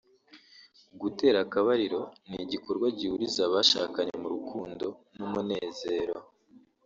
Gutera akabariro ni igikorwa gihuriza abashakanye mu rukundo n’umunezero